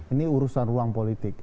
ini urusan ruang politik